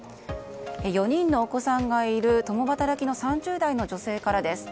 ４人のお子さんがいる共働きの３０代の女性からです。